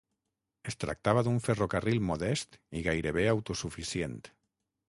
Es tractava d'un ferrocarril modest i gairebé autosuficient.